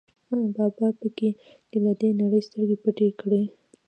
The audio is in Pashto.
بابا په کې له دې نړۍ سترګې پټې کړې.